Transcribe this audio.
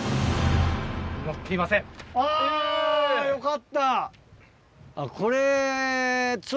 あぁよかった！